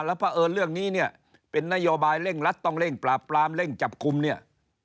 แล้วเพราะเอิญเรื่องนี้เนี่ยเป็นนโยบายเร่งรัดต้องเร่งปราบปรามเร่งจับกลุ่มเนี่ย